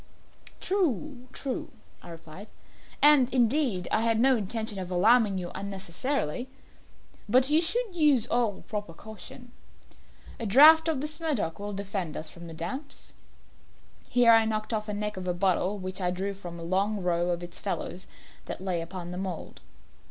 "True true," I replied; "and, indeed, I had no intention of alarming you unnecessarily but you should use all proper caution. A draught of this Medoc will defend us from the damps." Here I knocked off the neck of a bottle which I drew from a long row of its fellows that lay upon the mould.